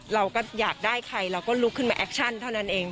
เราก็อยากได้ใครเราก็ลุกขึ้นมาแอคชั่นเท่านั้นเอง